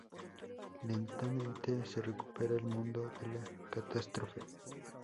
Lentamente se recupera el mundo de la catástrofe.